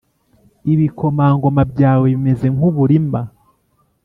Ibikomangoma byawe bimeze nk’uburima